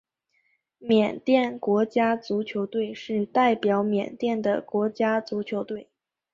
缅甸国家足球队是代表缅甸的国家足球队。